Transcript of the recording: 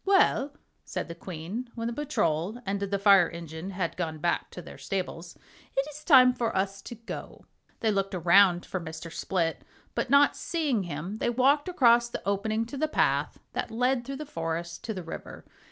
"Well," said the Queen, when the Patrol and the Fire Engine had gone back to their stables, "it is time for us to go." They looked around for Mr. Split, but not seeing him they walked across the opening to the path that led through the forest to the river.